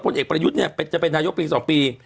พลเอกประยุทธ์จะเป็นนายกไปอีก๒ปี